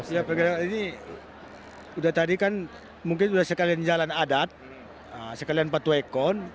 ya ini sudah tadi kan mungkin sudah sekalian jalan adat sekalian patwekon